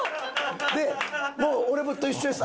でもう俺と一緒です。